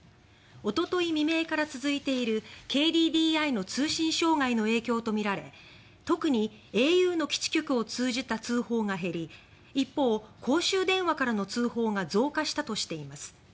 おととい未明から続いているＫＤＤＩの通信障害の影響とみられ特にａｕの基地局を通じた通報が減り一方、公衆電話からの通報が増加したとしています。